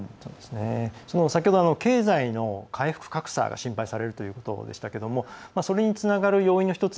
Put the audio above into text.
先ほど、経済の回復格差が心配されるということでしたがそれにつながる要因の一つ